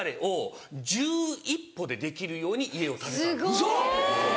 ウソ！